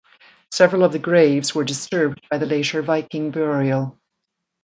Several of the graves were disturbed by the later Viking burial.